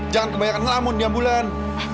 jangan kebanyakan ngelamun di ambulan